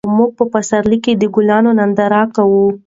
موږ په پسرلي کې د ګلانو ننداره کوو.